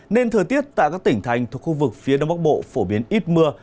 nên thời tiết tại các tỉnh thành thuộc khu vực phía đông bắc bộ phổ biến ít mưa